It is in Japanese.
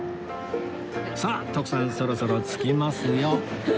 さあ徳さんそろそろ着きますよ